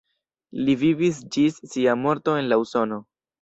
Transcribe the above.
Li vivis ĝis sia morto en la Usono.